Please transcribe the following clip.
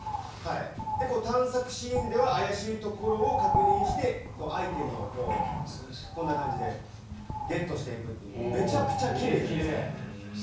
探索シーンでは怪しいところを確認してアイテムをこんな感じでゲットしていくという、めちゃくちゃきれいですよね。